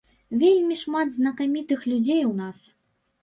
Вельмі шмат знакамітых людзей у нас.